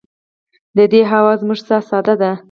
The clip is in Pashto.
د دې هوا زموږ ساه ده؟